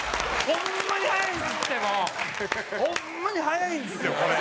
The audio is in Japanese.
ホンマに速いんですよこれ。